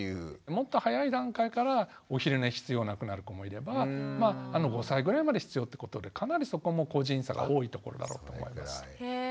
もっと早い段階からお昼寝必要なくなる子もいれば５歳ぐらいまで必要ってことでかなりそこも個人差が多いところだと思います。